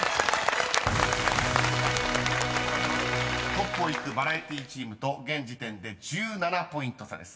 ［トップを行くバラエティチームと現時点で１７ポイント差です］